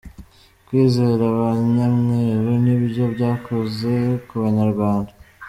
Kwizera ba Nyamweru nibyo byakoze ku banyarwanda.